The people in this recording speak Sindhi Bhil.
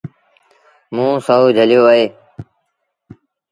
موݩ سهو جھليو اهي۔